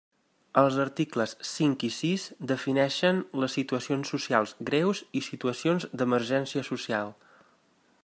Els articles cinc i sis defineixen les situacions socials greus i situacions d'emergència social.